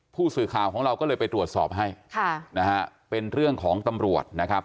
ผู้สื่อข่าวของเราก็เลยไปตรวจสอบให้ค่ะนะฮะเป็นเรื่องของตำรวจนะครับ